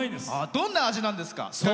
どんな味なんですか？